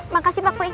makasih pak kui